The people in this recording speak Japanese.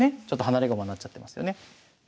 ちょっと離れ駒になっちゃってますよね。